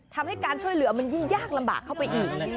ทำให้การช่วยเหลือมันยิ่งยากลำบากเข้าไปอีก